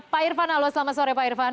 pak irfan halo selamat sore pak irfan